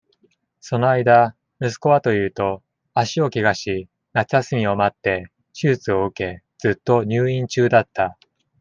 その間、息子はというと、足を怪我し、夏休みを待って、手術を受け、ずっと入院中だった。